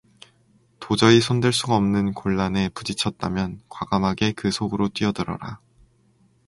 도저히 손댈 수가 없는 곤란에 부딪혔다면 과감하게 그 속으로 뛰어들어라.